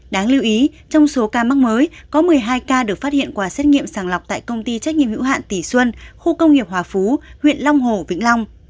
đáng lưu ý trong số ca mắc mới có một mươi hai ca được phát hiện qua xét nghiệm sàng lọc tại công ty trách nhiệm hữu hạn tỷ xuân khu công nghiệp hòa phú huyện long hồ vĩnh long